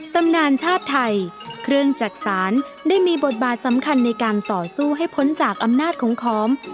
ตำนานชาติไทยเครื่องจักษานได้มีบทบาทสำคัญในการต่อสู้ให้พ้นจากอำนาจของขอม